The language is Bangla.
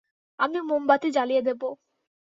আমি মোমবাতি জ্বালিয়ে দেব।